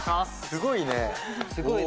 すごいね。